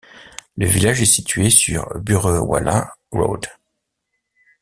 Le village est situé sur Burewala Road.